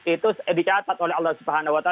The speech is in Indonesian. itu dicatat oleh allah swt